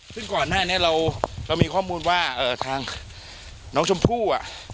ซึ่งก่อนหน้านี้เรามีข้อมูลว่าทางน้องชมพู่อ่ะ